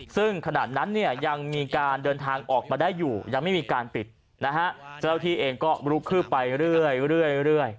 ซึ่งขณะนั้นเนี่ยยังมีการเดินทางออกมาได้อยู่ยังไม่มีการปิดนะฮะเจ้าหน้าที่เองก็ลุกคืบไปเรื่อย